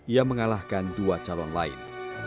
ia mengalahkan dua calon lain